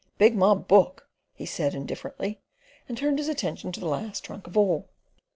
"Big mob book," he said indifferently, and turned his attention to the last trunk of all.